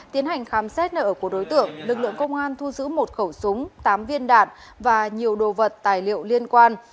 tiến hành khám xét nợ của đối tượng lực lượng công an thu giữ một khẩu súng tám viên đạn và nhiều đồ vật tài liệu liên quan